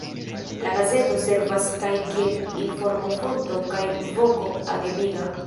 La gazeto servas kaj kiel informofonto kaj voko agemiga.